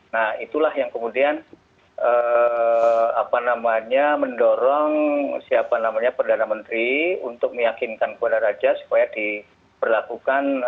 nah itulah yang kemudian mendorong siapa namanya perdana menteri untuk meyakinkan kepada raja supaya diperlakukan